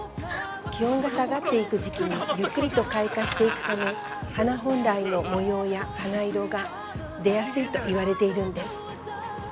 気温が下がっていく時期にゆっくりと開花していくため、花本来の模様や花色が出やすいと言われているんです。